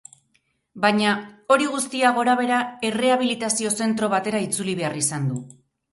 Baina, hori guztia gorabehera, errehabilitazio zentro batera itzuli behar izan du.